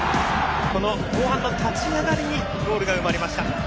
後半の立ち上がりにゴールが生まれました。